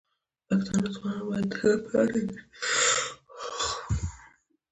پښتانه ځوانان باید د علم په لټه کې شي.